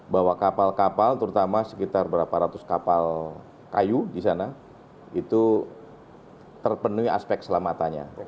bahwa kapal kapal terutama sekitar berapa ratus kapal kayu di sana itu terpenuhi aspek selamatannya